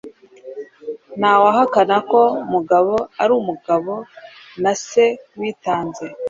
Ntawahakana ko Mugabo yari umugabo na se witanze.